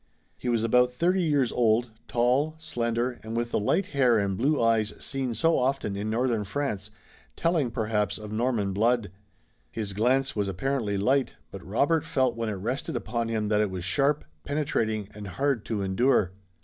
He was about thirty years old, tall, slender, and with the light hair and blue eyes seen so often in Northern France, telling, perhaps, of Norman blood. His glance was apparently light, but Robert felt when it rested upon him that it was sharp, penetrating and hard to endure.